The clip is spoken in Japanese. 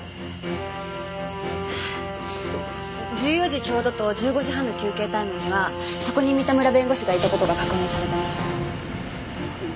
１４時ちょうどと１５時半の休憩タイムにはそこに三田村弁護士がいた事が確認されています。